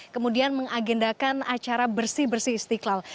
kemudian mengagendakan acara bersih bersih istiqlal